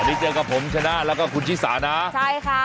สวัสดีเจอกับผมชนะแล้วก็คุณชิสานะ